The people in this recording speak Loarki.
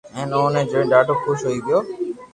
ھين اوني جوئين ڌاڌو خوݾ ھوئي گيو